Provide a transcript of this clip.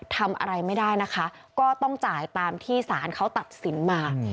ทำอะไรไม่ได้นะคะก็ต้องจ่ายตามที่ศาลเขาตัดสินมา